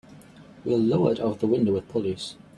We'll lower it out of the window with pulleys.